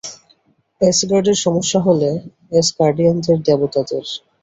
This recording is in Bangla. অ্যাসগার্ডের সমস্যা হলো অ্যাসগার্ডিয়ানদের দেবতাদের।